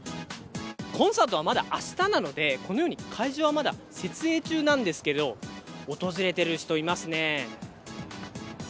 コンサートはまだあしたなので、このように会場はまだ設営中なんですけど、訪れている人いますね。